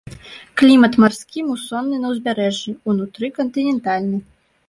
Клімат марскі мусонны на ўзбярэжжы, унутры кантынентальны.